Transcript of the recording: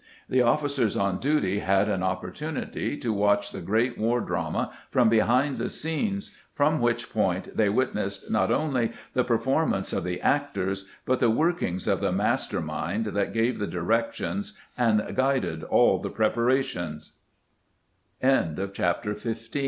The officers on duty had an opportunity to watch the great war drama from behind the scenes, from which point they witnessed not only the performance of the actors, but the workings of the master mind that gave the directions and guided all the pr